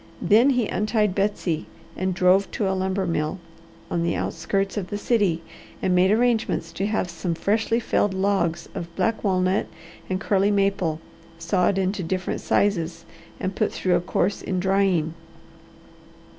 Then he untied Betsy and drove to a lumber mill on the outskirts of the city and made arrangements to have some freshly felled logs of black walnut and curly maple sawed into different sizes and put through a course in drying.